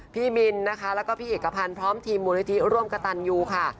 พี่มินนะคะแล้วก็พี่เอกพันธ์พร้อมทีมบนวิทยุร่วมกระตันอยู่ค่ะ